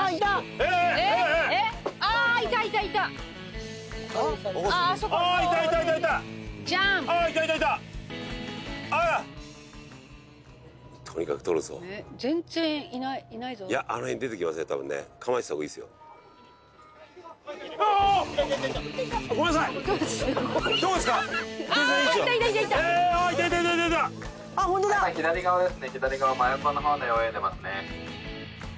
真横の方で泳いでますね」